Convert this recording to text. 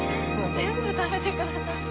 全部食べてくださって。